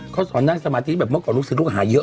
เขาสอนนั่งสมาธิแบบเมื่อก่อนลูกศิษย์ลูกหาเยอะ